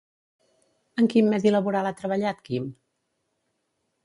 En quin medi laboral ha treballat Quim?